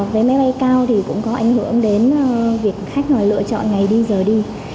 vé máy bay cao thì cũng có ảnh hưởng đến việc khách mà lựa chọn ngày đi giờ đi